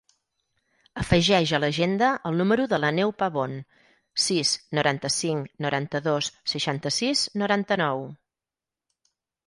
Afegeix a l'agenda el número de l'Aneu Pabon: sis, noranta-cinc, noranta-dos, seixanta-sis, noranta-nou.